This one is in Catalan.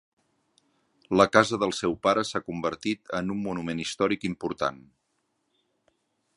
La casa del seu pare s'ha convertit en un monument històric important.